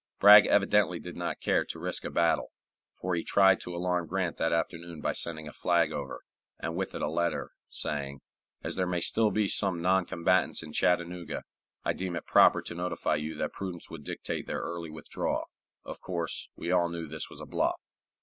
Bragg evidently did not care to risk a battle, for he tried to alarm Grant that afternoon by sending a flag over, and with it a letter, saying, "As there may still be some non combatants in Chattanooga, I deem it proper to notify you that prudence would dictate their early withdrawal." Of course, we all knew this was a bluff.